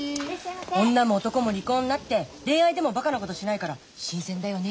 女も男も利口になって恋愛でもバカなことしないから新鮮だよね